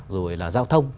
rồi là giao thông